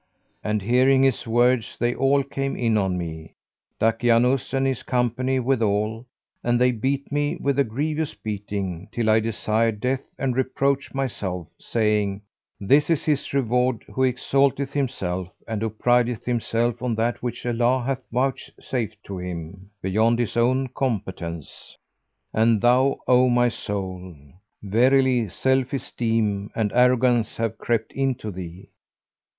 and hearing his words, they all came in on me, Dakianus and his company withal, and they beat me with a grievous beating, till I desired death and reproached myself, saying, 'This is his reward who exalteth himself and who prideth himself on that which Allah hath vouchsafed to him, beyond his own competence! And thou, O my soul, verily self esteem and arrogance have crept into thee.